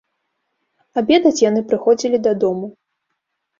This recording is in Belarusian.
Абедаць яны прыходзілі дадому.